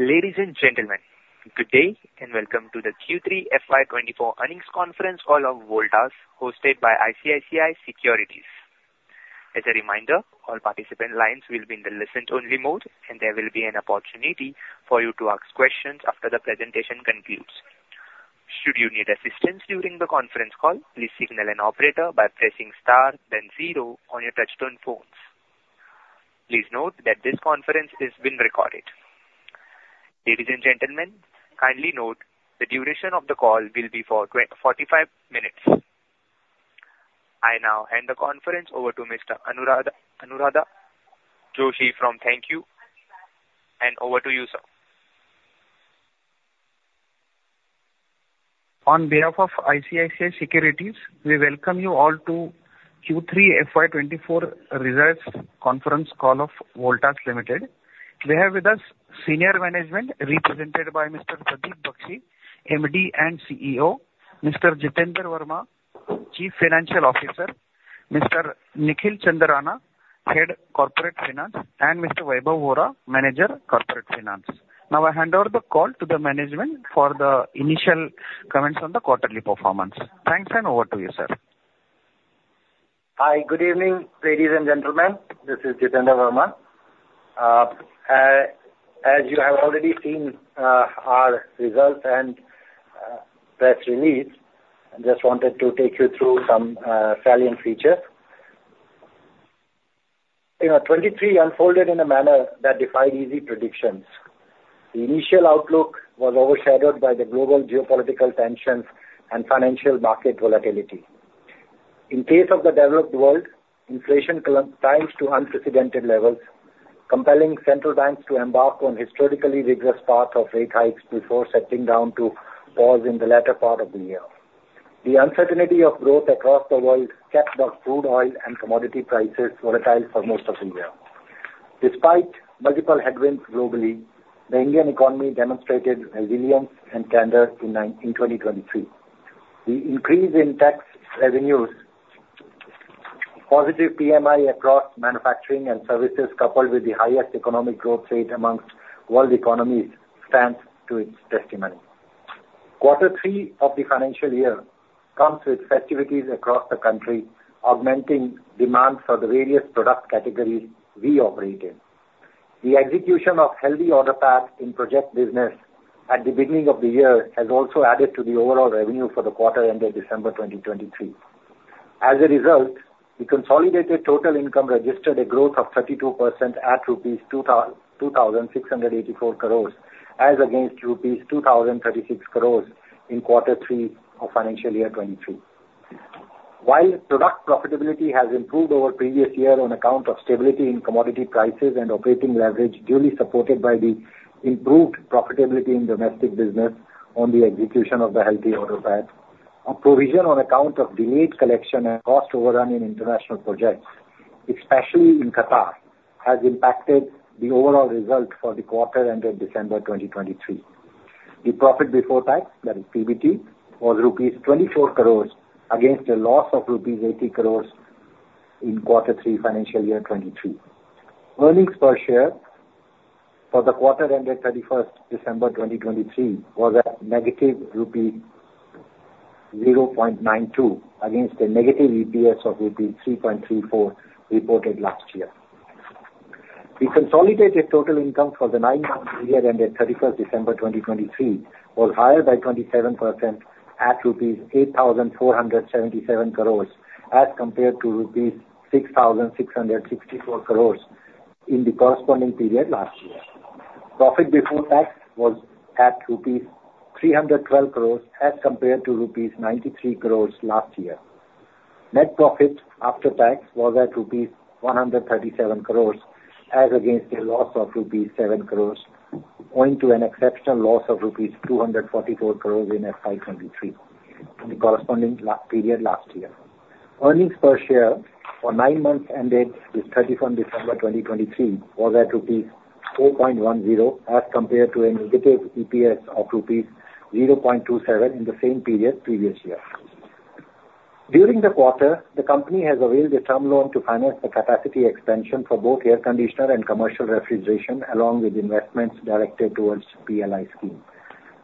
Ladies and gentlemen, good day, and welcome to the Q3 FY 2024 earnings conference call of Voltas, hosted by ICICI Securities. As a reminder, all participant lines will be in the listen-only mode, and there will be an opportunity for you to ask questions after the presentation concludes. Should you need assistance during the conference call, please signal an operator by pressing star then zero on your touchtone phones. Please note that this conference is being recorded. Ladies and gentlemen, kindly note the duration of the call will be for 45 minutes. I now hand the conference over to Ms. Anuradha Joshi from ICICI Securities. Thank you. Over to you, ma'am. On behalf of ICICI Securities, we welcome you all to Q3 FY 2024 results conference call of Voltas Limited. We have with us senior management, represented by Mr. Pradeep Bakshi, MD and CEO, Mr. Jitender Pal Verma, Chief Financial Officer, Mr. Nikhil Chandarana, Head Corporate Finance, and Mr. Vaibhav Vora, Manager Corporate Finance. Now, I hand over the call to the management for the initial comments on the quarterly performance. Thanks, and over to you, sir. Hi. Good evening, ladies and gentlemen. This is Jitender Pal Verma. As you have already seen our results and press release, I just wanted to take you through some salient features. You know, 2023 unfolded in a manner that defied easy predictions. The initial outlook was overshadowed by the global geopolitical tensions and financial market volatility. In case of the developed world, inflation climbed to unprecedented levels, compelling central banks to embark on historically rigorous path of rate hikes before settling down to pause in the latter part of the year. The uncertainty of growth across the world kept the crude oil and commodity prices volatile for most of the year. Despite multiple headwinds globally, the Indian economy demonstrated resilience and candor in 2023. The increase in tax revenues, positive PMI across manufacturing and services, coupled with the highest economic growth rate among world economies, stands to its testimony. Quarter three of the financial year comes with festivities across the country, augmenting demand for the various product categories we operate in. The execution of healthy order path in project business at the beginning of the year has also added to the overall revenue for the quarter ended December 2023. As a result, the consolidated total income registered a growth of 32% at rupees 2,684 crore, as against rupees 2,036 crore in quarter three of financial year 2023. While product profitability has improved over previous year on account of stability in commodity prices and operating leverage, duly supported by the improved profitability in domestic business on the execution of the healthy order path, a provision on account of delayed collection and cost overrun in international projects, especially in Qatar, has impacted the overall result for the quarter ended December 2023. The profit before tax, that is PBT, was rupees 24 crore against a loss of rupees 80 crore in quarter three financial year 2023. Earnings per share for the quarter ended 31st December 2023, was at -0.92 rupee, against a negative EPS of rupee 3.34 reported last year. The consolidated total income for the nine months year ended 31st December 2023, was higher by 27% at rupees 8,477 crore, as compared to rupees 6,664 crore in the corresponding period last year. Profit before tax was at rupees 312 crore as compared to rupees 93 crore last year. Net profit after tax was at rupees 137 crore, as against a loss of rupees 7 crore, owing to an exceptional loss of rupees 244 crore in FY 2023, in the corresponding period last year. Earnings per share for nine months ended with 31st December 2023, was at rupees 4.10, as compared to a negative EPS of rupees 0.27 in the same period previous year. During the quarter, the company has availed a term loan to finance the capacity expansion for both air conditioner and commercial refrigeration, along with investments directed towards PLI scheme.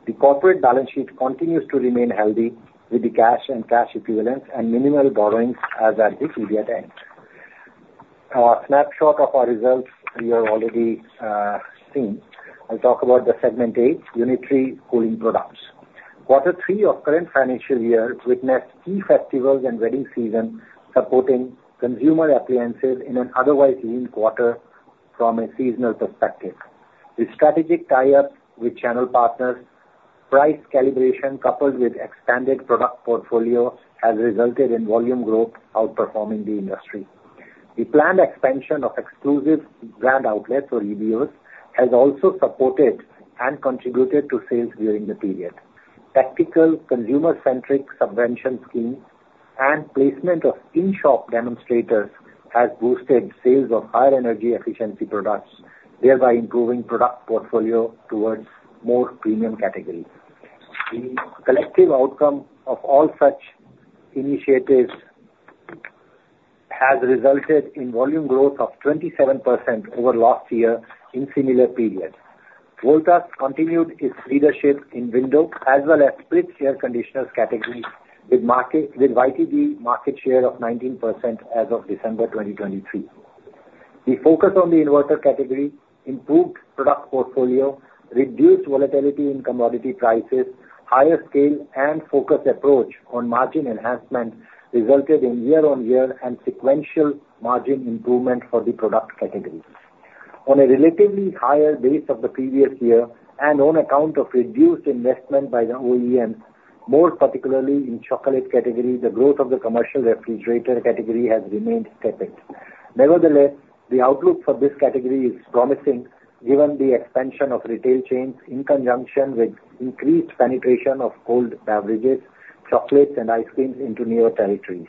The corporate balance sheet continues to remain healthy, with the cash and cash equivalents and minimal borrowings as at the period end. Our snapshot of our results you have already seen. I'll talk about the Segment A, unitary cooling products. Quarter three of current financial year witnessed key festivals and wedding season, supporting consumer appliances in an otherwise lean quarter from a seasonal perspective. The strategic tie-ups with channel partners, price calibration, coupled with expanded product portfolio, has resulted in volume growth outperforming the industry. The planned expansion of exclusive brand outlets or EBOs has also supported and contributed to sales during the period. Tactical consumer-centric subvention schemes and placement of in-shop demonstrators has boosted sales of higher energy efficiency products, thereby improving product portfolio towards more premium categories. The collective outcome of all such initiatives has resulted in volume growth of 27% over last year in similar period. Voltas continued its leadership in window as well as split air conditioners category, with YTD market share of 19% as of December 2023. The focus on the inverter category, improved product portfolio, reduced volatility in commodity prices, higher scale and focused approach on margin enhancement, resulted in year-on-year and sequential margin improvement for the product category. On a relatively higher base of the previous year and on account of reduced investment by the OEM, more particularly in chiller category, the growth of the commercial refrigerator category has remained tepid. Nevertheless, the outlook for this category is promising, given the expansion of retail chains in conjunction with increased penetration of cold beverages, chocolates, and ice creams into new territories.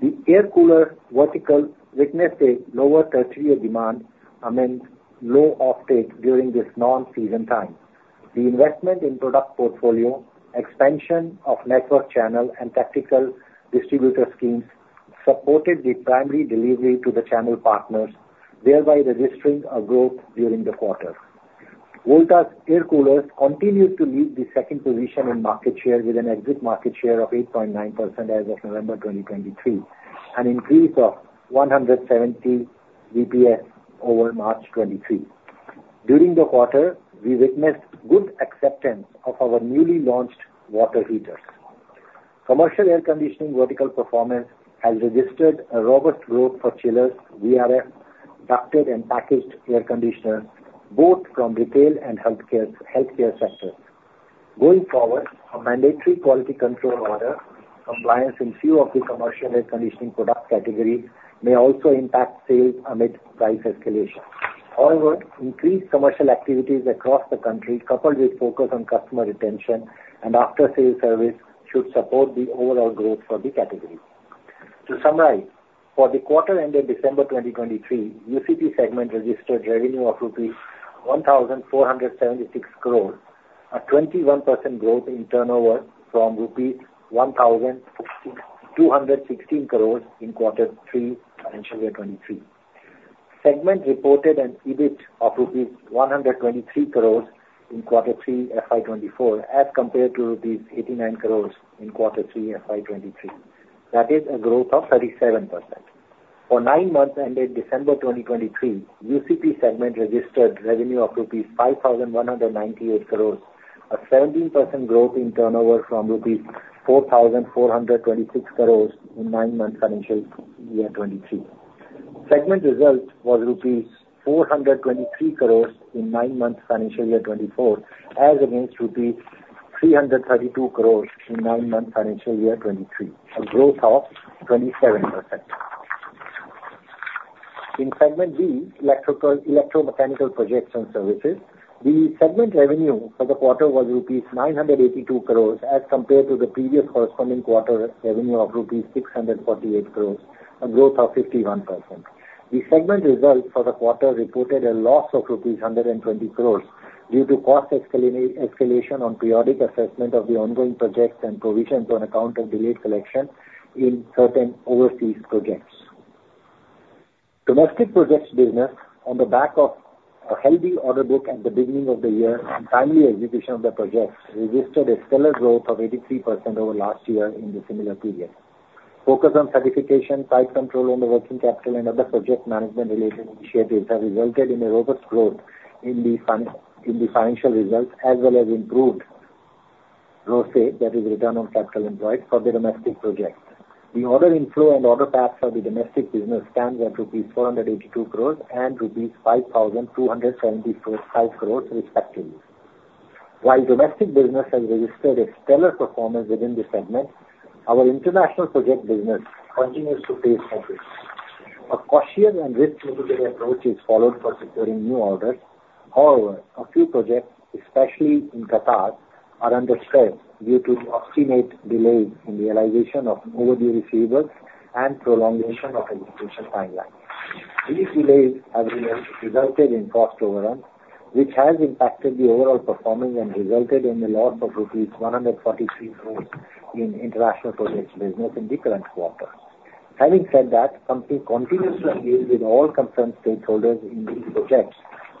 The air cooler vertical witnessed a lower tertiary demand amidst low offtake during this non-season time. The investment in product portfolio, expansion of network channel, and tactical distributor schemes supported the primary delivery to the channel partners, thereby registering a growth during the quarter. Voltas air coolers continues to lead the second position in market share, with an exit market share of 8.9% as of November 2023, an increase of 170 BPS over March 2023. During the quarter, we witnessed good acceptance of our newly launched water heaters. Commercial air conditioning vertical performance has registered a robust growth for chillers, VRF, ducted and packaged air conditioner, both from retail and healthcare, healthcare sector. Going forward, a mandatory quality control order compliance in few of the commercial air conditioning product category may also impact sales amid price escalation. However, increased commercial activities across the country, coupled with focus on customer retention and after-sales service, should support the overall growth for the category. To summarize, for the quarter ended December 2023, UCP segment registered revenue of rupees 1,476 crore, a 21% growth in turnover from rupees 1,216 crore in quarter three, financial year 2023. Segment reported an EBIT of rupees 123 crore in quarter three, FY 2024, as compared to rupees 89 crore in quarter three, FY 2023. That is a growth of 37%. For nine months ended December 2023, UCP segment registered revenue of rupees 5,198 crore, a 17% growth in turnover from rupees 4,426 crore in nine months, financial year 2023. Segment result was rupees 423 crore in nine months, financial year 2024, as against rupees 332 crore in nine months, financial year 2023, a growth of 27%. In segment B, electromechanical projects and services, the segment revenue for the quarter was rupees 982 crore as compared to the previous corresponding quarter revenue of rupees 648 crore, a growth of 51%. The segment result for the quarter reported a loss of rupees 120 crore, due to cost escalation on periodic assessment of the ongoing projects and provisions on account of delayed collection in certain overseas projects. Domestic projects business, on the back of a healthy order book at the beginning of the year and timely execution of the projects, registered a stellar growth of 83% over last year in the similar period. Focus on certification, tight control on the working capital, and other project management related initiatives have resulted in a robust growth in the financial results, as well as improved ROCE, that is return on capital employed, for the domestic projects. The order inflow and order book for the domestic business stands at rupees 482 crore and rupees 5,275 crore respectively. While domestic business has registered a stellar performance within the segment, our international project business continues to face headwinds. A cautious and risk-mitigated approach is followed for securing new orders. However, a few projects, especially in Qatar, are under stress due to obstinate delays in the realization of overdue receivables and prolongation of execution timelines. These delays have resulted in cost overrun, which has impacted the overall performance and resulted in a loss of rupees 143 crore in international projects business in the current quarter. Having said that, company continuously deals with all concerned stakeholders in these projects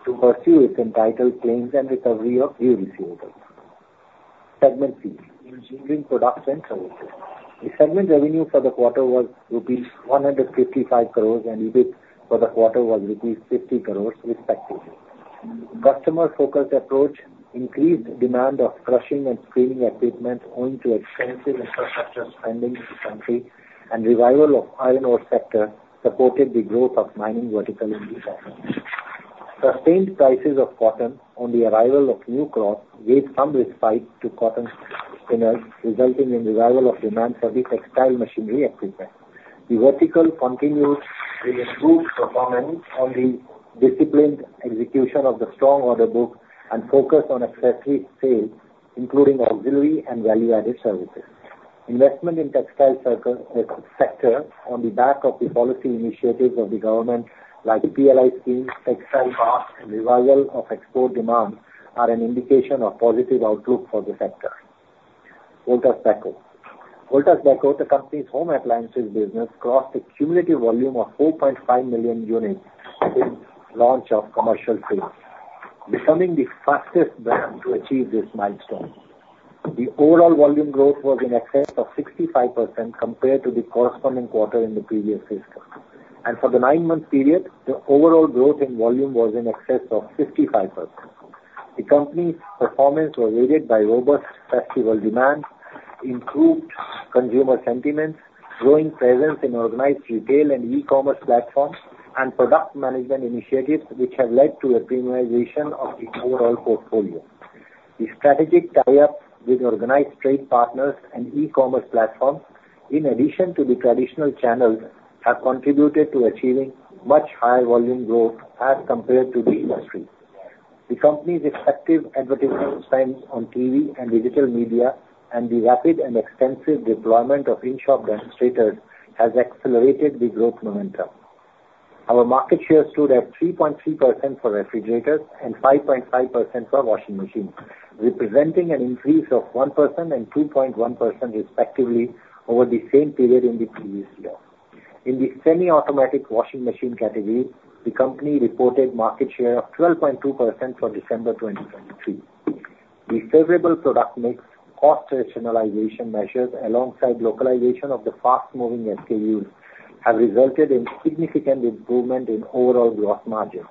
to pursue its entitled claims and recovery of due receivables. Segment C, engineering products and services. The segment revenue for the quarter was rupees 155 crore, and EBIT for the quarter was rupees 50 crore respectively. Customer-focused approach increased demand of crushing and screening equipment, owing to extensive infrastructure spending in the country, and revival of iron ore sector supported the growth of mining vertical in this quarter. Sustained prices of cotton on the arrival of new crop gave some respite to cotton spinners, resulting in revival of demand for the textile machinery equipment. The vertical continued with improved performance on the disciplined execution of the strong order book and focus on accessory sales, including auxiliary and value-added services. Investment in textile sector, on the back of the policy initiatives of the government, like PLI scheme, textile park, and revival of export demand, are an indication of positive outlook for the sector... Voltas Beko. Voltas Beko, the company's home appliances business, crossed a cumulative volume of 4.5 million units since launch of commercial sales, becoming the fastest brand to achieve this milestone. The overall volume growth was in excess of 65% compared to the corresponding quarter in the previous fiscal. For the nine-month period, the overall growth in volume was in excess of 55%. The company's performance was aided by robust festival demand, improved consumer sentiments, growing presence in organized retail and e-commerce platforms, and product management initiatives, which have led to a premiumization of the overall portfolio. The strategic tie-ups with organized trade partners and e-commerce platforms, in addition to the traditional channels, have contributed to achieving much higher volume growth as compared to the industry. The company's effective advertising spend on TV and digital media and the rapid and extensive deployment of in-shop demonstrators has accelerated the growth momentum. Our market share stood at 3.3% for refrigerators and 5.5% for washing machines, representing an increase of 1% and 2.1% respectively over the same period in the previous year. In the semi-automatic washing machine category, the company reported market share of 12.2% for December 2023. The favorable product mix, cost rationalization measures alongside localization of the fast-moving SKUs, have resulted in significant improvement in overall gross margins.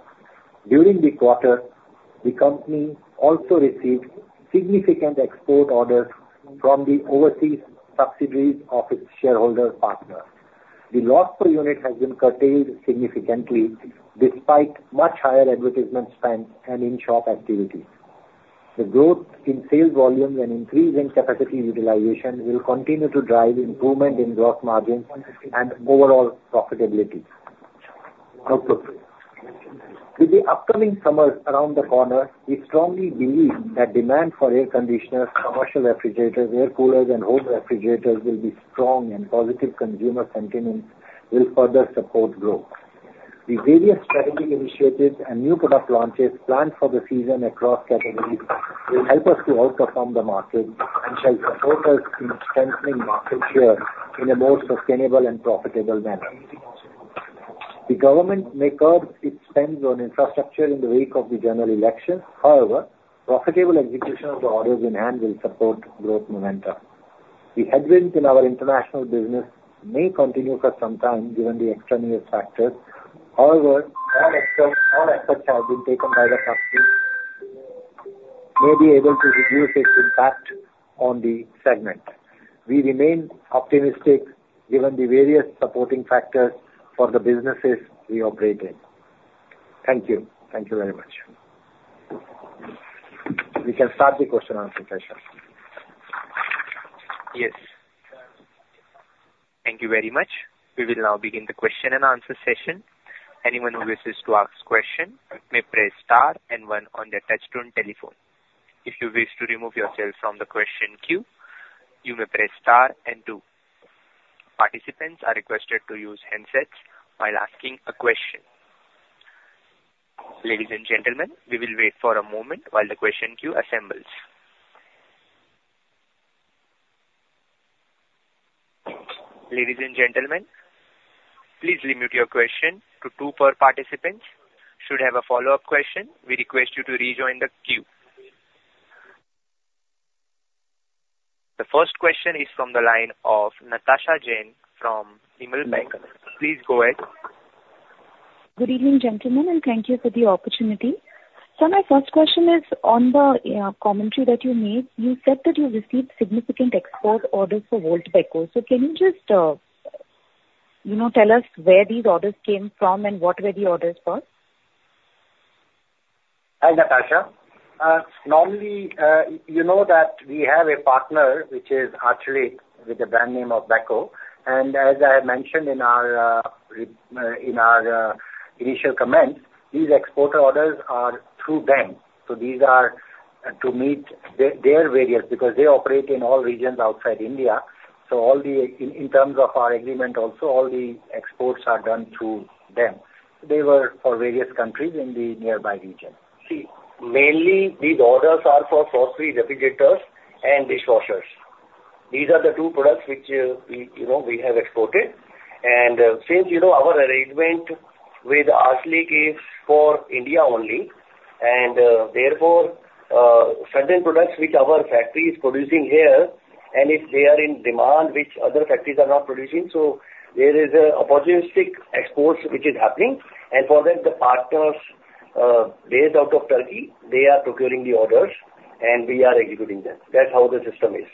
During the quarter, the company also received significant export orders from the overseas subsidiaries of its shareholder partner. The loss per unit has been curtailed significantly despite much higher advertisement spend and in-shop activity. The growth in sales volumes and increase in capacity utilization will continue to drive improvement in gross margins and overall profitability. Outlook. With the upcoming summers around the corner, we strongly believe that demand for air conditioners, commercial refrigerators, air coolers, and home refrigerators will be strong, and positive consumer sentiment will further support growth. The various strategic initiatives and new product launches planned for the season across categories will help us to outperform the market and shall support us in strengthening market share in a more sustainable and profitable manner. The government may curb its spends on infrastructure in the wake of the general election. However, profitable execution of the orders in hand will support growth momentum. The headwinds in our international business may continue for some time, given the extraneous factors. However, all efforts have been taken by the company may be able to reduce its impact on the segment. We remain optimistic given the various supporting factors for the businesses we operate in. Thank you. Thank you very much. We can start the question and answer session. Yes. Thank you very much. We will now begin the question and answer session. Anyone who wishes to ask question may press star and one on their touchtone telephone. If you wish to remove yourself from the question queue, you may press star and two. Participants are requested to use handsets while asking a question. Ladies and gentlemen, we will wait for a moment while the question queue assembles. Ladies and gentlemen, please limit your question to two per participant. Should you have a follow-up question, we request you to rejoin the queue. The first question is from the line of Natasha Jain from Nirmal Bang. Please go ahead. Good evening, gentlemen, and thank you for the opportunity. Sir, my first question is on the commentary that you made. You said that you received significant export orders for Voltas Beko. So can you just, you know, tell us where these orders came from and what were the orders for? Hi, Natasha. Normally, you know that we have a partner, which is Arçelik, with the brand name of Beko. And as I have mentioned in our initial comments, these export orders are through them. So these are to meet their various, because they operate in all regions outside India. So all the... In terms of our agreement also, all the exports are done through them. They were for various countries in the nearby region. See, mainly these orders are for frost-free refrigerators and dishwashers. These are the two products which, we, you know, we have exported. And, since you know, our arrangement with Arçelik is for India only, and, therefore, certain products which our factory is producing here, and if they are in demand, which other factories are not producing, so there is a opportunistic exports which is happening. And for that, the partners, based out of Turkey, they are procuring the orders, and we are executing them. That's how the system is.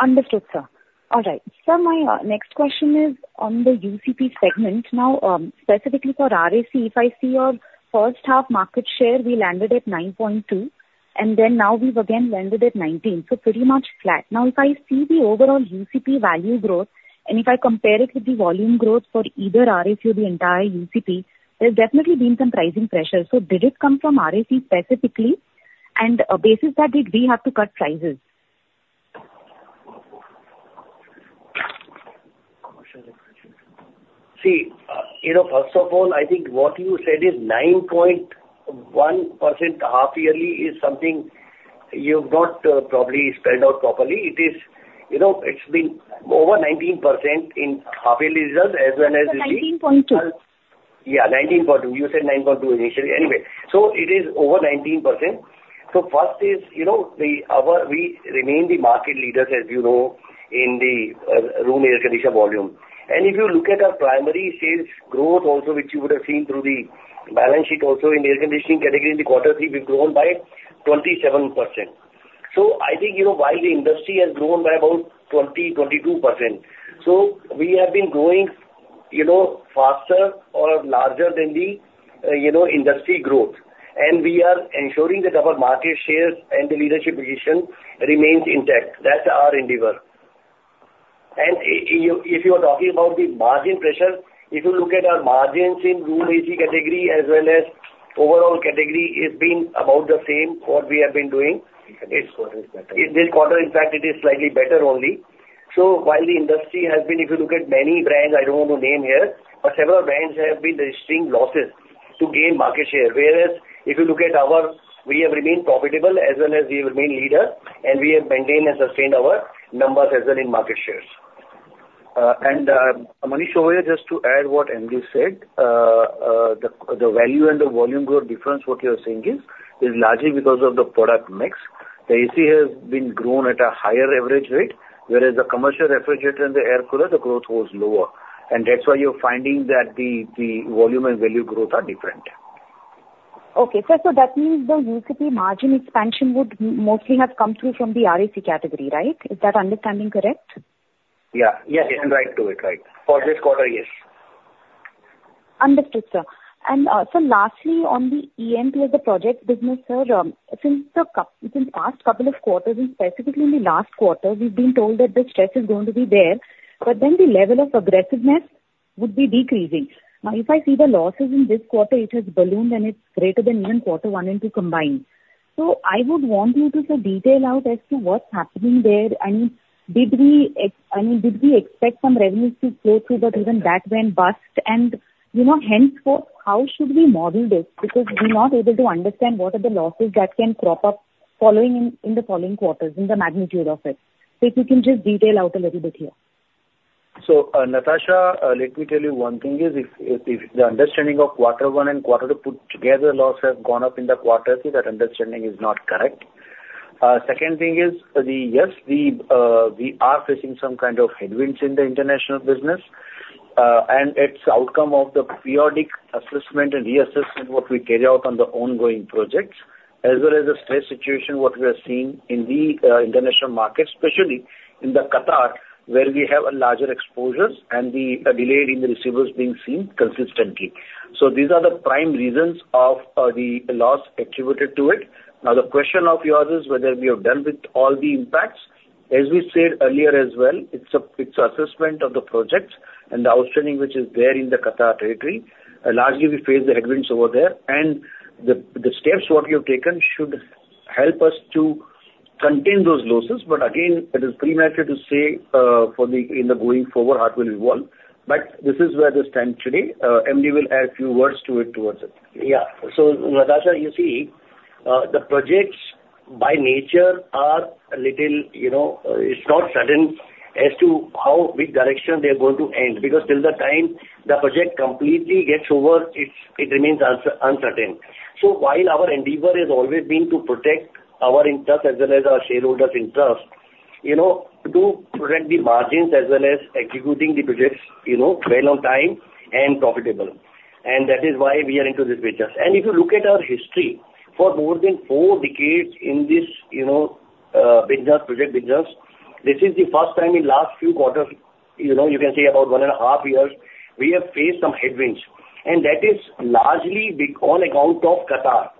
Understood, sir. All right. Sir, my next question is on the UCP segment. Now, specifically for RAC, if I see your first half market share, we landed at 9.2, and then now we've again landed at 19, so pretty much flat. Now, if I see the overall UCP value growth, and if I compare it with the volume growth for either RAC or the entire UCP, there's definitely been some pricing pressure. So did it come from RAC specifically? And, basis that, did we have to cut prices? ... See, you know, first of all, I think what you said is 9.1% half yearly is something you've not probably spelled out properly. It is, you know, it's been over 19% in half yearly results as well as- 19.2. Yeah, 19.2. You said 9.2 initially. Anyway, so it is over 19%. So first is, you know, we remain the market leaders, as you know, in the room air conditioner volume. And if you look at our primary sales growth also, which you would have seen through the balance sheet, also in air conditioning category, in the quarter three, we've grown by 27%. So I think, you know, while the industry has grown by about 20%-22%, so we have been growing, you know, faster or larger than the industry growth. And we are ensuring that our market shares and the leadership position remains intact. That's our endeavor. If you are talking about the margin pressure, if you look at our margins in room AC category as well as overall category, it's been about the same what we have been doing. This quarter is better. In this quarter, in fact, it is slightly better only. So while the industry has been, if you look at many brands, I don't want to name here, but several brands have been registering losses to gain market share. Whereas if you look at our, we have remained profitable as well as we have remained leader, and we have maintained and sustained our numbers as well in market shares. And, Mr. Verma over here, just to add what MD said, the value and the volume growth difference, what you are seeing is largely because of the product mix. The AC has been grown at a higher average rate, whereas the commercial refrigerator and the air cooler, the growth was lower. And that's why you're finding that the volume and value growth are different. Okay, sir. So that means the UCP margin expansion would mostly have come through from the RAC category, right? Is that understanding correct? Yeah. Yes, and right to it, right. For this quarter, yes. Understood, sir. And, so lastly, on the MEP as the project business, sir, since past couple of quarters and specifically in the last quarter, we've been told that the stress is going to be there, but then the level of aggressiveness would be decreasing. Now, if I see the losses in this quarter, it has ballooned, and it's greater than even quarter one and two combined. So I would want you to sort of detail out as to what's happening there, and did we—I mean, did we expect some revenues to flow through, but even that went bust? And, you know, henceforth, how should we model this? Because we're not able to understand what are the losses that can crop up following in the following quarters, in the magnitude of it. So if you can just detail out a little bit here. So, Natasha, let me tell you one thing is if the understanding of quarter one and quarter two put together, losses have gone up in the quarter three, that understanding is not correct. Second thing is yes, we are facing some kind of headwinds in the international business, and it's outcome of the periodic assessment and reassessment what we carry out on the ongoing projects, as well as the stress situation what we are seeing in the international market, especially in Qatar, where we have a larger exposures and a delay in the receivables being seen consistently. So these are the prime reasons of the loss attributed to it. Now, the question of yours is whether we have done with all the impacts. As we said earlier as well, it's an assessment of the projects and the outstanding, which is there in the Qatar territory. Largely, we face the headwinds over there, and the steps what we have taken should help us to contain those losses. But again, it is premature to say for the in the going forward, how it will evolve. But this is where we stand today. MD will add few words to it towards it. Yeah. So, Natasha, you see, the projects by nature are a little, you know, it's not certain as to how, which direction they are going to end, because till the time the project completely gets over, it's, it remains uncertain, uncertain. So while our endeavor has always been to protect our interest as well as our shareholders' interest, you know, to protect the margins as well as executing the projects, you know, well on time and profitable, and that is why we are into this business. And if you look at our history, for more than four decades in this, you know, business, project business, this is the first time in last few quarters, you know, you can say about one and a half years, we have faced some headwinds, and that is largely be on account of Qatar.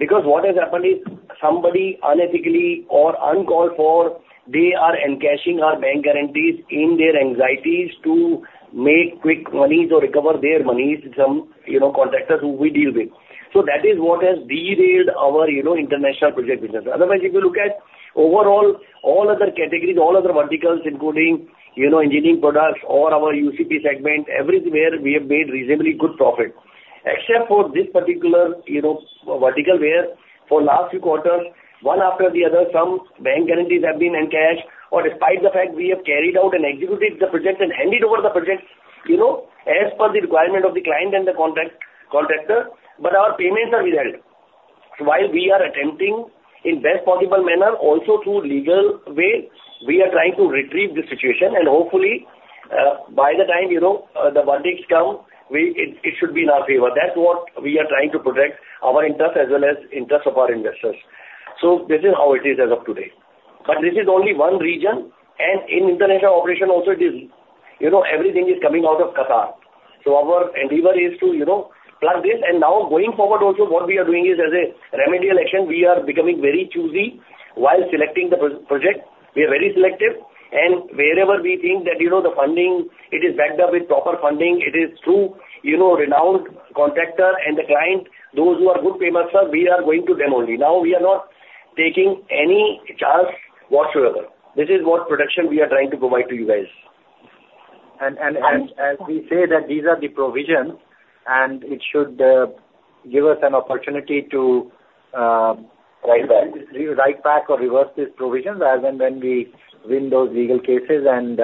Because what has happened is somebody unethically or uncalled for, they are encashing our bank guarantees in their anxieties to make quick monies or recover their monies, some, you know, contractors who we deal with. So that is what has derailed our, you know, international project business. Otherwise, if you look at overall, all other categories, all other verticals, including, you know, engineering products or our UCP segment, everywhere, we have made reasonably good profit. Except for this particular, you know, vertical where for last few quarters, one after the other, some bank guarantees have been encashed, or despite the fact we have carried out and executed the project and handed over the project, you know, as per the requirement of the client and the contractor, but our payments are withheld. While we are attempting in best possible manner, also through legal way, we are trying to retrieve the situation, and hopefully, by the time, you know, the verdicts come, it should be in our favor. That's what we are trying to protect our interest as well as interest of our investors. So this is how it is as of today. But this is only one region, and in international operation also it is... You know, everything is coming out of Qatar. So our endeavor is to, you know, plug this. And now going forward, also what we are doing is, as a remedial action, we are becoming very choosy while selecting the projects. We are very selective, and wherever we think that, you know, the funding, it is backed up with proper funding, it is through, you know, renowned contractor and the client, those who are good payers, sir, we are going to them only. Now, we are not taking any charge whatsoever. This is what protection we are trying to provide to you guys. As we say that these are the provisions, and it should give us an opportunity to. Write back. Write back or reverse these provisions as and when we win those legal cases and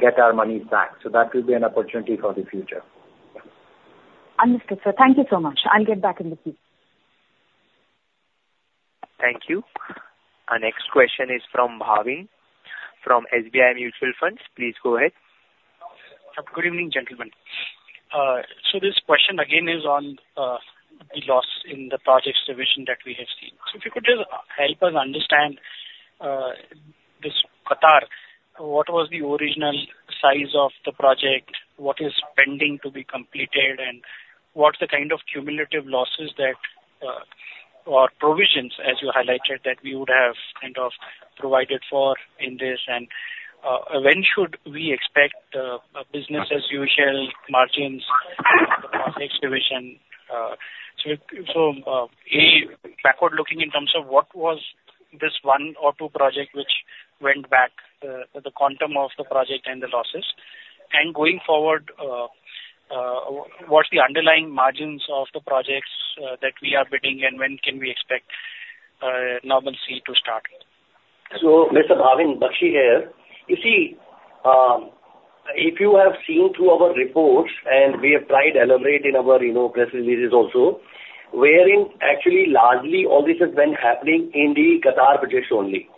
get our monies back. That will be an opportunity for the future. Understood, sir. Thank you so much. I'll get back in the queue. Thank you. Our next question is from Bhavin, from SBI Mutual Fund. Please go ahead. Good evening, gentlemen. So this question again is on the loss in the projects division that we have seen. So if you could just help us understand this Qatar, what was the original size of the project? What is pending to be completed, and what's the kind of cumulative losses that or provisions, as you highlighted, that we would have kind of provided for in this? And when should we expect business as usual margins in the projects division? So a backward looking in terms of what was this one or two project which went back the quantum of the project and the losses. And going forward what's the underlying margins of the projects that we are bidding, and when can we expect normalcy to start? So Mr. Bhavin, Bakshi here. You see, if you have seen through our reports, and we have tried to elaborate in our, you know, press releases also, wherein actually largely all this has been happening in the Qatar projects only.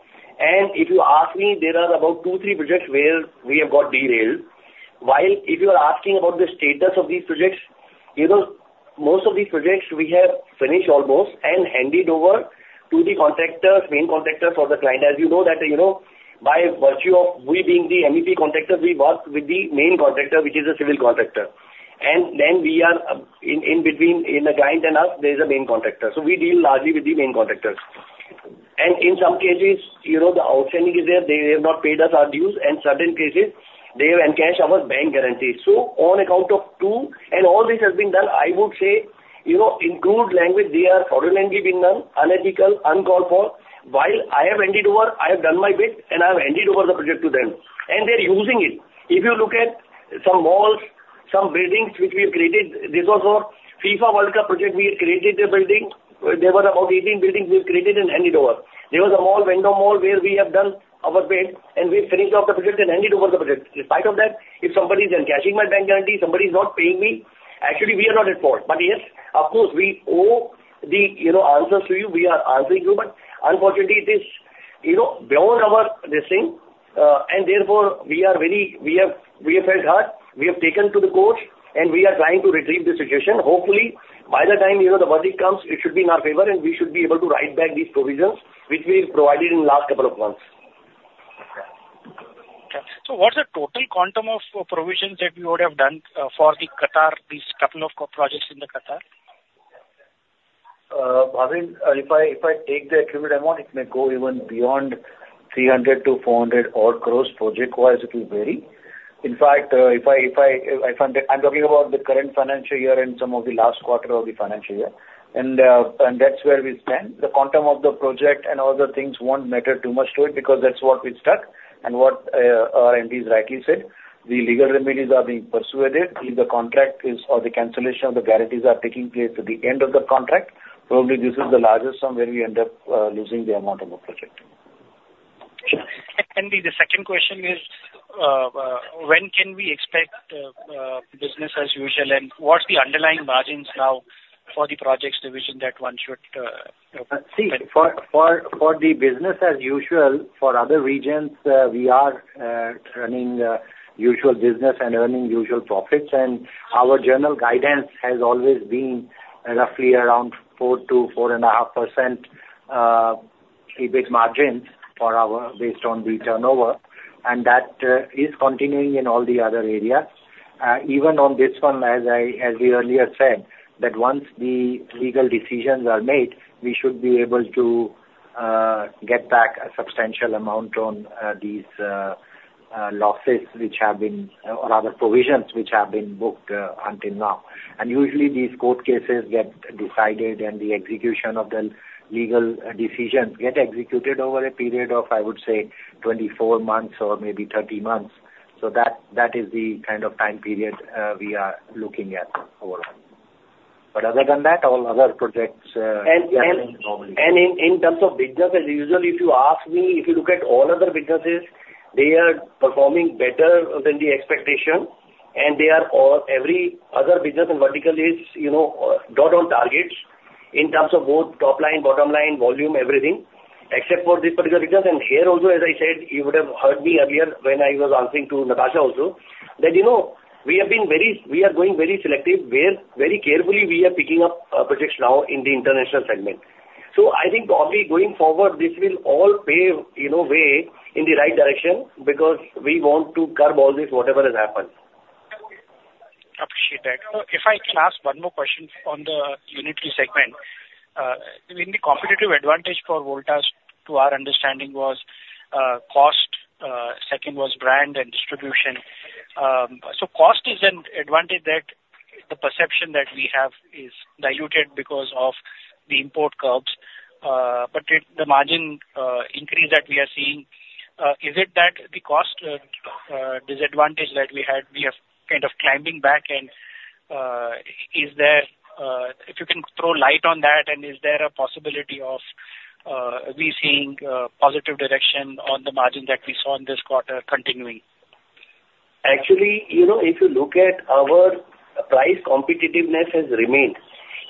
And if you ask me, there are about 2-3 projects where we have got derailed. While if you are asking about the status of these projects, you know, most of these projects we have finished almost and handed over to the contractors, main contractor for the client. As you know, that, you know, by virtue of we being the MEP contractor, we work with the main contractor, which is a civil contractor, and then we are, in, in between, in the client and us, there is a main contractor. So we deal largely with the main contractors. And in some cases, you know, the outstanding is there. They have not paid us our dues, and certain cases they have encashed our bank guarantees. So on account of two, and all this has been done, I would say, you know, in crude language, they are fraudulent giving none, unethical, uncalled for. While I have handed over, I have done my bit, and I have handed over the project to them, and they're using it. If you look at some malls, some buildings which we have created, this was our FIFA World Cup project. We had created a building. There were about 18 buildings we had created and handed over. There was a mall, Vendome Mall, where we have done our bit, and we've finished off the project and handed over the project. In spite of that, if somebody is encashing my bank guarantee, somebody is not paying me, actually, we are not at fault. But yes, of course, we owe the, you know, answers to you. We are answering you, but unfortunately, this, you know, beyond our this thing, and therefore, we are very, we have, we have felt hurt. We have taken to the court, and we are trying to retrieve the situation. Hopefully, by the time, you know, the verdict comes, it should be in our favor, and we should be able to write back these provisions which we provided in the last couple of months. Okay. So what's the total quantum of provisions that you would have done for the Qatar, these couple of projects in the Qatar? Bhavin, if I take the aggregate amount, it may go even beyond 300 crore-400 crore odd. Project-wise, it will vary. In fact, I'm talking about the current financial year and some of the last quarter of the financial year. And that's where we stand. The quantum of the project and other things won't matter too much to it, because that's what we stuck, and what our MD has rightly said, the legal remedies are being persuaded. If the contract is, or the cancellation of the guarantees are taking place at the end of the contract, probably this is the largest sum where we end up losing the amount of a project. Sure. And the second question is, when can we expect business as usual, and what's the underlying margins now for the projects division that one should, See, for the business as usual, for other regions, we are running usual business and earning usual profits. And our general guidance has always been roughly around 4%-4.5% EBIT margins for our—based on the turnover, and that is continuing in all the other areas. Even on this one, as we earlier said, that once the legal decisions are made, we should be able to get back a substantial amount on these losses which have been, or rather, provisions which have been booked until now. And usually these court cases get decided and the execution of the legal decisions get executed over a period of, I would say, 24 months or maybe 30 months. So that, that is the kind of time period we are looking at over. But other than that, all other projects are going normally. In terms of business as usual, if you ask me, if you look at all other businesses, they are performing better than the expectation, and they are all, every other business and vertical is, you know, dead on targets in terms of both top line, bottom line, volume, everything, except for this particular business. And here also, as I said, you would have heard me earlier when I was answering to Natasha also, that you know, we have been very, we are going very selective, where very carefully we are picking up projects now in the international segment. So I think probably going forward, this will all pave the way in the right direction, because we want to curb all this, whatever has happened. Appreciate that. If I can ask one more question on the unitary segment. I mean, the competitive advantage for Voltas to our understanding was, cost, second was brand and distribution. So cost is an advantage. The perception that we have is diluted because of the import curbs, but it, the margin increase that we are seeing, is it that the cost disadvantage that we had, we are kind of climbing back and, is there, if you can throw light on that, and is there a possibility of, we seeing, positive direction on the margin that we saw in this quarter continuing? Actually, you know, if you look at our price competitiveness has remained.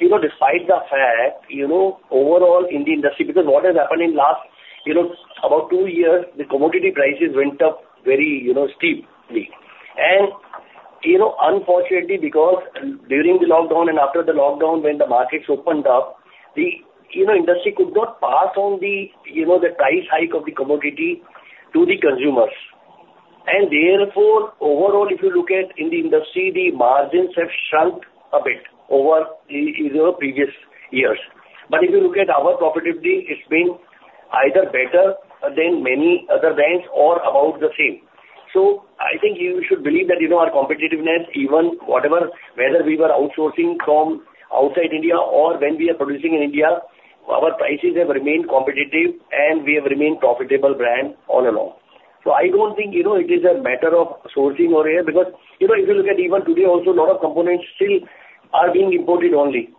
You know, despite the fact, you know, overall in the industry, because what has happened in last, you know, about two years, the commodity prices went up very, you know, steeply. And, you know, unfortunately, because during the lockdown and after the lockdown, when the markets opened up, the, you know, industry could not pass on the, you know, the price hike of the commodity to the consumers. And therefore, overall, if you look at in the industry, the margins have shrunk a bit over the, you know, previous years. But if you look at our profitability, it's been either better than many other brands or about the same. So I think you should believe that, you know, our competitiveness, even whatever, whether we were outsourcing from outside India or when we are producing in India, our prices have remained competitive, and we have remained profitable brand all along. So I don't think, you know, it is a matter of sourcing over here, because, you know, if you look at even today also, a lot of components still are being imported only.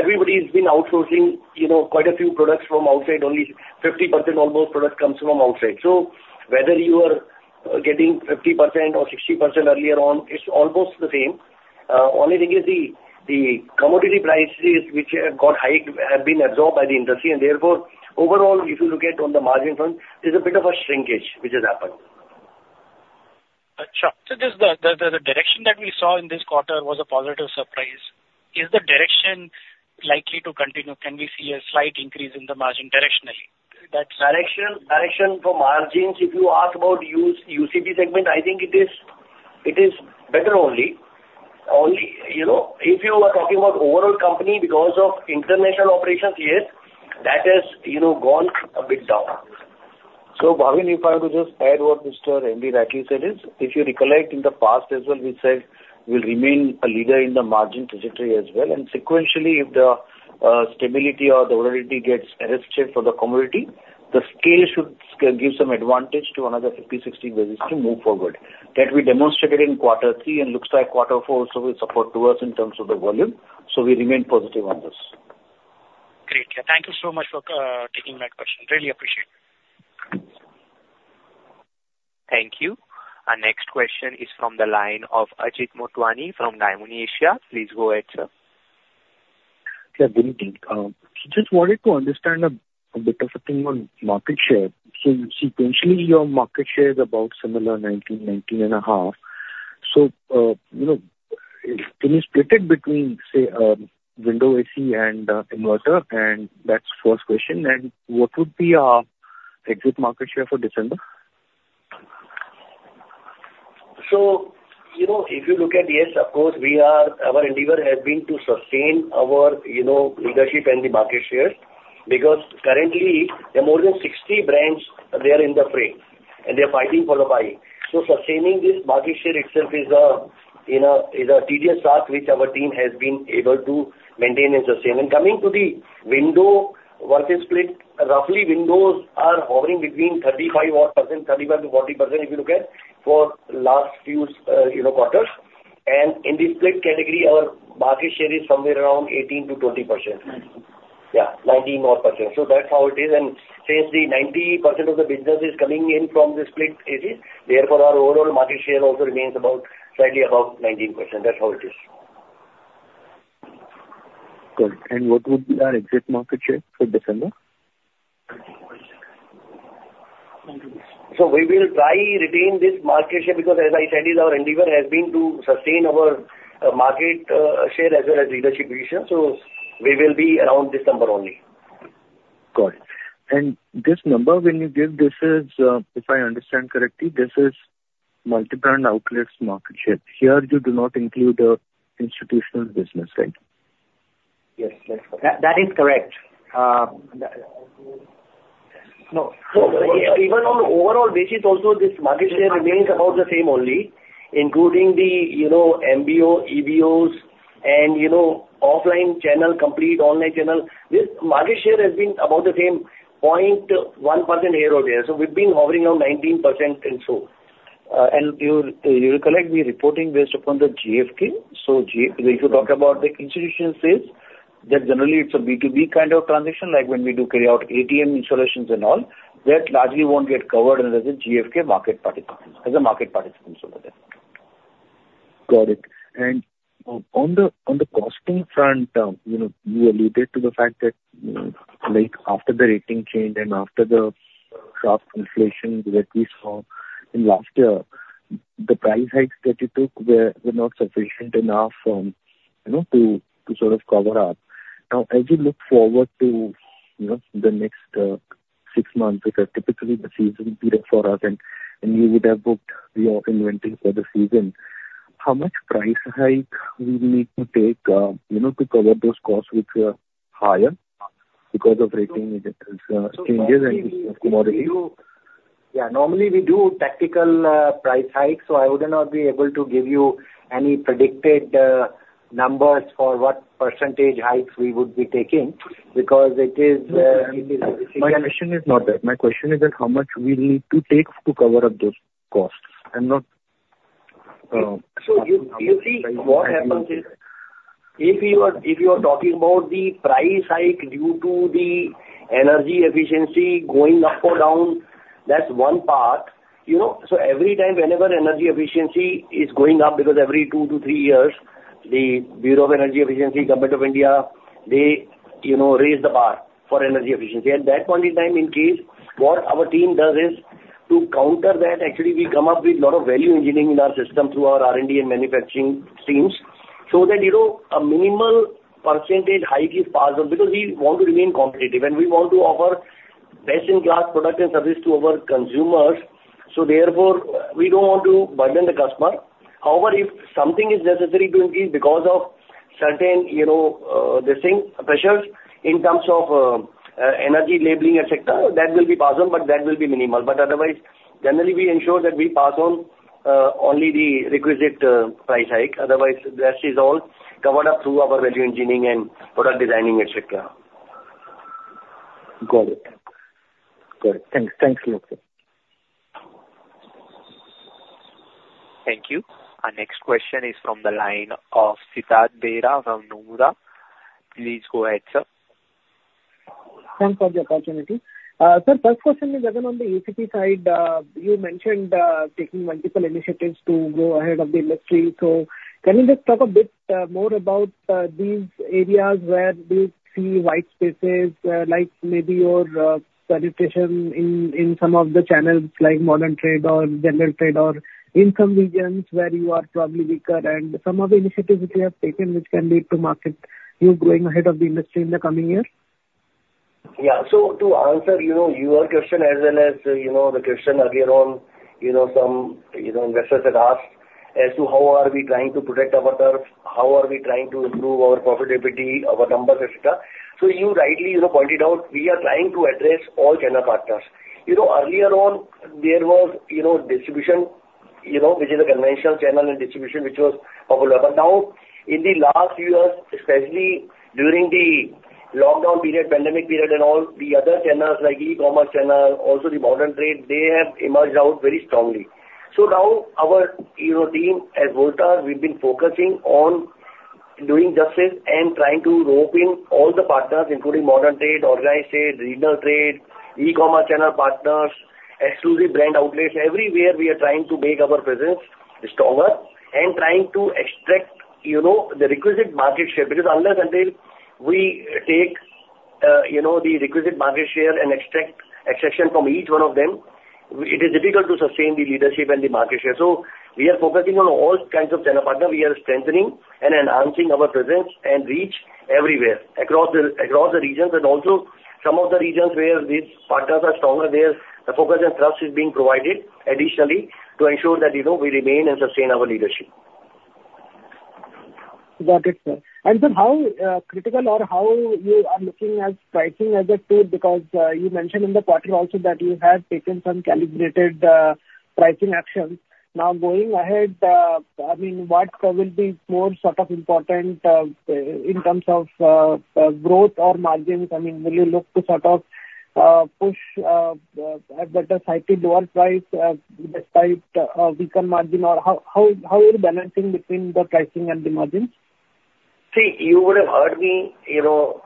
Everybody's been outsourcing, you know, quite a few products from outside, only 50% almost product comes from outside. So whether you are getting 50% or 60% earlier on, it's almost the same. Only thing is the commodity prices which have got high, have been absorbed by the industry, and therefore, overall, if you look at on the margin front, there's a bit of a shrinkage which has happened. Sure. So just the direction that we saw in this quarter was a positive surprise. Is the direction likely to continue? Can we see a slight increase in the margin directionally? That's- Direction, direction for margins, if you ask about UCP segment, I think it is, it is better only. Only, you know, if you are talking about overall company because of international operations, yes, that has, you know, gone a bit down. So, Bhavin, if I were to just add what Mr. Bakshi said is, if you recollect in the past as well, we said we'll remain a leader in the margin trajectory as well. And sequentially, if the stability or the volatility gets arrested for the commodity, the scale should give some advantage to another 50, 60 basis to move forward. That we demonstrated in quarter three, and looks like quarter four also will support to us in terms of the volume, so we remain positive on this. Great. Thank you so much for taking that question. Really appreciate it. Thank you. Our next question is from the line of Ajit Motwani from Dymon Asia. Please go ahead, sir. Yeah, good evening. Just wanted to understand a bit of a thing on market share. So sequentially, your market share is about similar 19, 19.5. So, you know, can you split it between, say, window AC and inverter? And that's first question, and what would be our exit market share for December? So, you know, if you look at, yes, of course, we are, our endeavor has been to sustain our, you know, leadership and the market share, because currently there are more than 60 brands there in the frame, and they're fighting for a pie. So sustaining this market share itself is a, you know, is a tedious task, which our team has been able to maintain and sustain. And coming to the window versus split, roughly, windows are hovering between 35-odd percent, 35%-40%, if you look at, for last few, you know, quarters. And in the split category, our market share is somewhere around 18%-20%. Nineteen. Yeah, 19 odd percent. So that's how it is. And since the 90% of the business is coming in from the split category, therefore, our overall market share also remains about, slightly above 19%. That's how it is. Good. What would be our exit market share for December? So we will try retain this market share, because as I said, our endeavor has been to sustain our market share as well as leadership position, so we will be around this number only. Got it. And this number when you give this is, if I understand correctly, this is multi-brand outlets market share. Here, you do not include the institutional business, right? Yes, that's correct. That, that is correct. The... No. So even on the overall basis also, this market share remains about the same only, including the, you know, MBO, EBOs, and, you know, offline channel, complete online channel. This market share has been about the same 0.1% here or there. So we've been hovering around 19% and so. And you recollect we're reporting based upon the GfK. So GfK—if you talk about the institutional sales, that generally it's a B2B kind of transaction, like when we do carry out ATM installations and all, that largely won't get covered under the GfK market participants, as market participants over there. Got it. And on the costing front, you know, you alluded to the fact that, you know, like after the rating change and after the sharp inflation that we saw in last year, the price hikes that you took were not sufficient enough, you know, to sort of cover up. Now, as you look forward to, you know, the next six months, which are typically the season period for us, and you would have booked your inventory for the season, how much price hike will you need to take, you know, to cover those costs which are higher?... because of rating changes and commodities. Yeah, normally we do tactical price hikes, so I would not be able to give you any predicted numbers for what percentage hikes we would be taking, because it is. My question is not that. My question is that how much we need to take to cover up those costs and not, So you see, what happens is, if you are talking about the price hike due to the energy efficiency going up or down, that's one part. You know, so every time, whenever energy efficiency is going up, because every two to three years, the Bureau of Energy Efficiency, Government of India, they, you know, raise the bar for energy efficiency. At that point in time, in case, what our team does is to counter that, actually, we come up with a lot of value engineering in our system through our R&D and manufacturing teams, so that, you know, a minimal percentage hike is passed on, because we want to remain competitive, and we want to offer best-in-class product and service to our consumers, so therefore, we don't want to burden the customer. However, if something is necessary to increase because of certain, you know, the same pressures in terms of, energy labeling, et cetera, that will be passed on, but that will be minimal. But otherwise, generally, we ensure that we pass on, only the requisite, price hike. Otherwise, the rest is all covered up through our value engineering and product designing, et cetera. Got it. Got it. Thanks. Thanks a lot, sir. Thank you. Our next question is from the line of Siddharth Bera from Nomura. Please go ahead, sir. Thanks for the opportunity. Sir, first question is, again, on the ACP side, you mentioned taking multiple initiatives to go ahead of the industry. So can you just talk a bit more about these areas where you see white spaces, like maybe your penetration in some of the channels like modern trade or general trade or in some regions where you are probably weaker, and some of the initiatives which you have taken which can lead to market you going ahead of the industry in the coming years? Yeah. So to answer, you know, your question as well as, you know, the question earlier on, you know, some, you know, investors had asked as to how are we trying to protect our turf, how are we trying to improve our profitability, our numbers, et cetera. So you rightly, you know, pointed out, we are trying to address all channel partners. You know, earlier on, there was, you know, distribution, you know, which is a conventional channel, and distribution, which was popular. But now, in the last few years, especially during the lockdown period, pandemic period, and all the other channels like e-commerce channel, also the modern trade, they have emerged out very strongly. So now our, you know, team at Voltas, we've been focusing on doing just this and trying to rope in all the partners, including modern trade, organized trade, regional trade, e-commerce channel partners, exclusive brand outlets. Everywhere, we are trying to make our presence stronger and trying to extract, you know, the requisite market share. Because unless and until we take, you know, the requisite market share and extract extraction from each one of them, it is difficult to sustain the leadership and the market share. So we are focusing on all kinds of channel partner. We are strengthening and enhancing our presence and reach everywhere, across the, across the regions and also some of the regions where these partners are stronger, there, the focus and trust is being provided additionally to ensure that, you know, we remain and sustain our leadership. Got it, sir. And then how critical or how you are looking at pricing as a tool? Because you mentioned in the quarter also that you have taken some calibrated pricing actions. Now, going ahead, I mean, what will be more sort of important in terms of growth or margins? I mean, will you look to sort of push at better cycle lower price despite weaker margin, or how are you balancing between the pricing and the margins? See, you would have heard me, you know,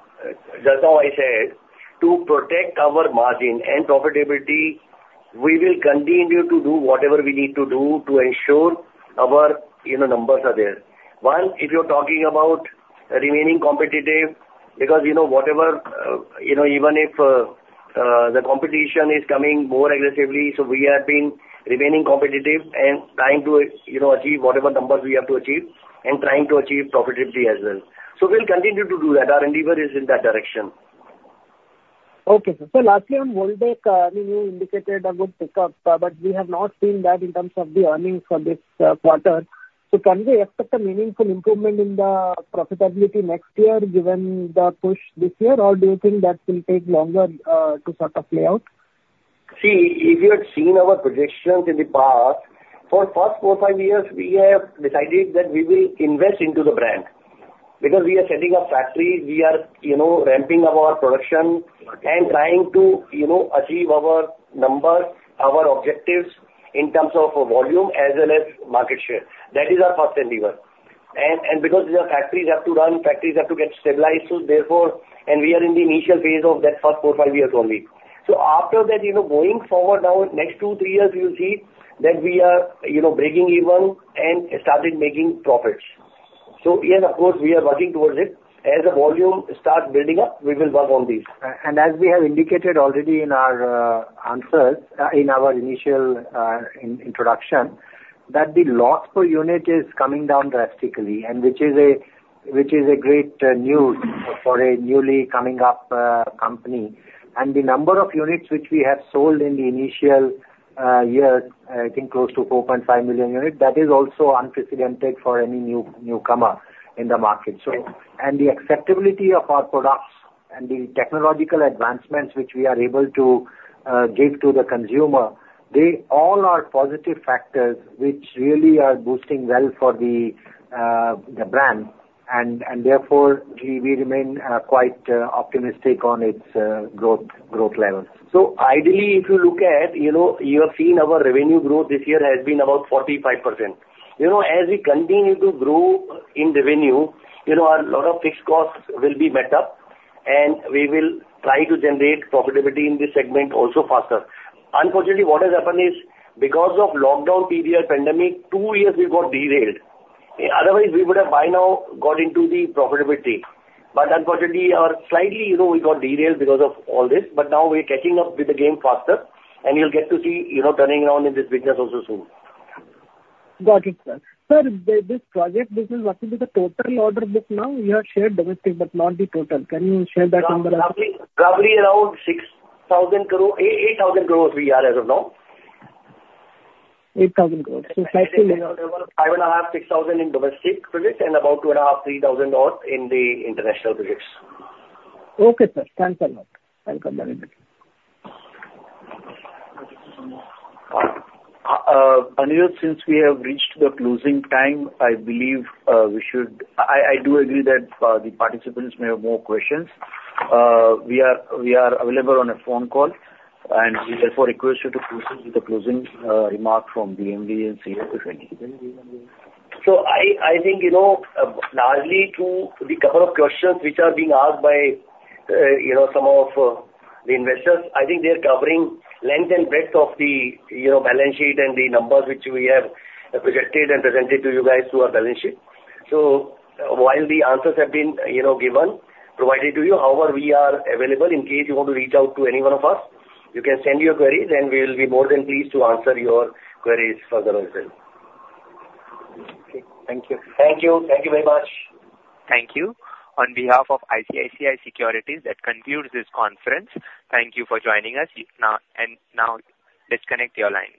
just how I said, to protect our margin and profitability, we will continue to do whatever we need to do to ensure our, you know, numbers are there. One, if you're talking about remaining competitive, because, you know, whatever, you know, even if, the competition is coming more aggressively, so we have been remaining competitive and trying to, you know, achieve whatever numbers we have to achieve and trying to achieve profitability as well. So we'll continue to do that. Our endeavor is in that direction. Okay, sir. So lastly, on Voltas, I mean, you indicated a good pickup, but we have not seen that in terms of the earnings for this quarter. So can we expect a meaningful improvement in the profitability next year, given the push this year, or do you think that will take longer, to sort of play out? See, if you had seen our projections in the past, for first 4, 5 years, we have decided that we will invest into the brand. Because we are setting up factories, we are, you know, ramping up our production and trying to, you know, achieve our numbers, our objectives in terms of volume as well as market share. That is our first endeavor. And because your factories have to run, factories have to get stabilized, so therefore, and we are in the initial phase of that first 4, 5 years only. So after that, you know, going forward now, next 2, 3 years, you'll see that we are, you know, breaking even and starting making profits. So yeah, of course, we are working towards it. As the volume starts building up, we will work on these. And as we have indicated already in our answers, in our initial introduction, that the loss per unit is coming down drastically, and which is a, which is a great news for a newly coming up company. And the number of units which we have sold in the initial-... year, I think close to 4.5 million units. That is also unprecedented for any new newcomer in the market. So, the acceptability of our products and the technological advancements which we are able to give to the consumer, they all are positive factors which really are boosting well for the brand, and therefore, we remain quite optimistic on its growth level. So ideally, if you look at, you know, you have seen our revenue growth this year has been about 45%. You know, as we continue to grow in revenue, you know, a lot of fixed costs will be met up, and we will try to generate profitability in this segment also faster. Unfortunately, what has happened is because of lockdown period, pandemic, two years we got derailed. Otherwise, we would have by now got into the profitability. But unfortunately, or slightly, you know, we got derailed because of all this, but now we're catching up with the game faster, and you'll get to see, you know, turning around in this business also soon. Got it, sir. Sir, this project business, what will be the total order book now? You have shared domestic, but not the total. Can you share that number? Probably, probably around 6,000 crore-8,000 crores we are as of now. 8,000 crore. 5.5-6 thousand in domestic business, and about 2.5-3 thousand odd in the international business. Okay, sir. Thanks a lot. Thank you very much. Anuradha, since we have reached the closing time, I believe, we should... I, I do agree that, the participants may have more questions. We are, we are available on a phone call, and we therefore request you to proceed with the closing, remark from MD and CEO, if anything. So I think, you know, largely through the couple of questions which are being asked by, you know, some of the investors, I think they're covering length and breadth of the, you know, balance sheet and the numbers which we have projected and presented to you guys through our balance sheet. So while the answers have been, you know, given, provided to you, however, we are available in case you want to reach out to any one of us. You can send your queries, and we will be more than pleased to answer your queries further as well. Okay. Thank you. Thank you. Thank you very much. Thank you. On behalf of ICICI Securities, that concludes this conference. Thank you for joining us. Now, and now disconnect your lines.